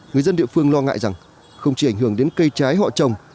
người dân địa phương lo ngại rằng không chỉ ảnh hưởng đến cây trái họ trồng